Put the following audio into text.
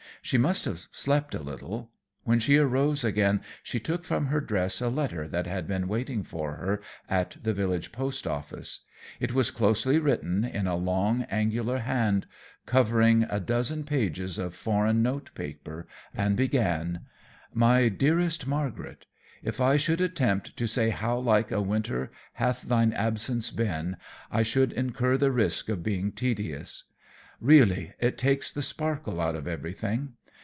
She must have slept a little. When she rose again, she took from her dress a letter that had been waiting for her at the village post office. It was closely written in a long, angular hand, covering a dozen pages of foreign note paper, and began: "My Dearest Margaret: If I should attempt to say how like a winter hath thine absence been, I should incur the risk of being tedious. Really, it takes the sparkle out of everything.